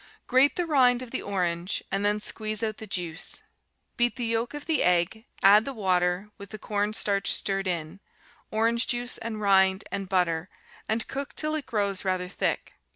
Grate the rind of the orange, and then squeeze out the juice. Beat the yolk of the egg, add the water, with the corn starch stirred in, orange juice and rind and butter, and cook till it grows rather thick.